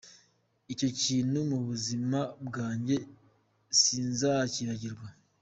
Icyo kintu mu buzima bwanjye sinzakibagirwa.